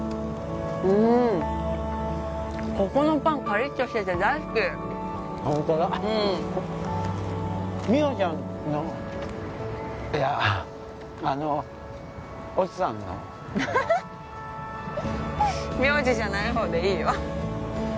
うんここのパンカリッとしてて大好きホントだ美穂ちゃんのいやあの越智さんの名字じゃない方でいいよ